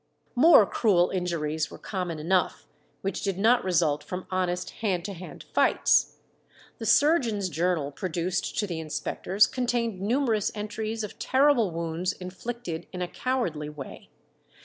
More cruel injuries were common enough, which did not result from honest hand to hand fights. The surgeon's journal produced to the inspectors contained numerous entries of terrible wounds inflicted in a cowardly way.